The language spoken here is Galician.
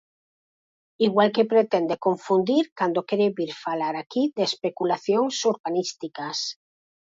Igual que pretende confundir cando quere vir falar aquí de especulacións urbanísticas.